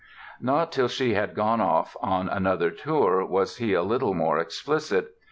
Not till she had gone off on another tour was he a little more explicit.